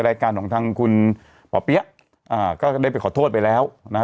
รายการของทางคุณหมอเปี๊ยะอ่าก็ได้ไปขอโทษไปแล้วนะฮะ